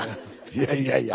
いやいやいや。